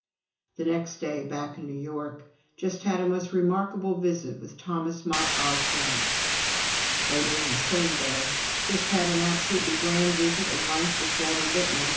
The next day, back in New York: "Just had a most remarkable visit with Thomas Mott Osborne." Later in the same day: "Just had an absolutely grand visit and lunch with Walter Lippmann